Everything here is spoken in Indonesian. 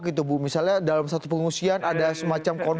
konsuling kelompok maupun